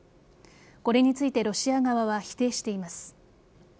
これについてロシア側は否定しています。